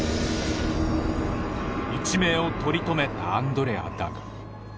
一命を取り留めたアンドレアだが。